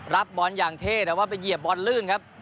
รับบอลอย่างเท่แต่ว่าไปเหยียบบอลลื่นครับ